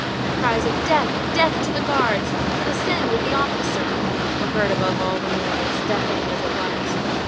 Cries of "Death! death to the guards! to the Seine with the officer!" were heard above all the noise, deafening as it was.